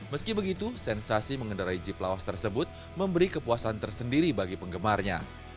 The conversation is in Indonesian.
meski begitu sensasi mengendarai jeep laos tersebut memberi kepuasan tersendiri bagi penggemarnya